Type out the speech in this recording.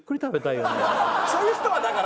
そういう人はだから。